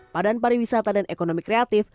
padan pariwisata dan ekonomi kreatif